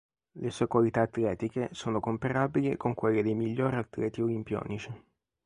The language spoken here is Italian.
Le sue qualità atletiche sono comparabili con quelle dei miglior atleti olimpionici.